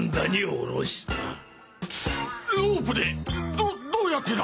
どどうやってだ？